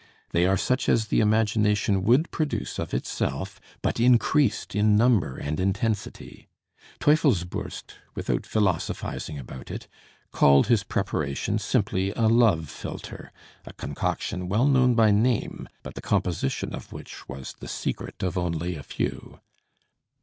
They are such as the imagination would produce of itself, but increased in number and intensity. Teufelsbürst, without philosophising about it, called his preparation simply a love philtre, a concoction well known by name, but the composition of which was the secret of only a few.